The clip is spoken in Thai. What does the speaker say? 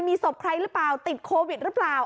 มีศพใครหรือเปล่าติดโควิดหรือเปล่า